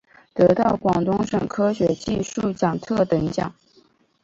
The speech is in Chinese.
得到广东省科学技术奖特等奖。